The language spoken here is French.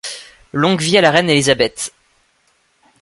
Longue vie à la reine Élisabeth.